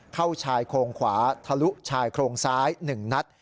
ชายโครงขวาทะลุชายโครงซ้าย๑นัด